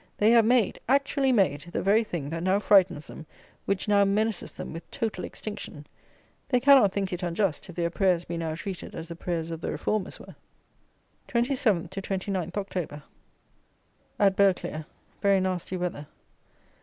They have made, actually made, the very thing that now frightens them, which now menaces them with total extinction. They cannot think it unjust, if their prayers be now treated as the prayers of the Reformers were. 27 to 29 October. At Burghclere. Very nasty weather.